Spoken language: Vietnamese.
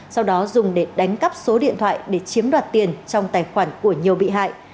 sau đó dùng để đánh cắp số điện thoại để chiếm đoạt tiền trong tài khoản của nhiều bị hại